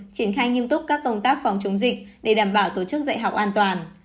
triển khai nghiêm túc các công tác phòng chống dịch để đảm bảo tổ chức dạy học an toàn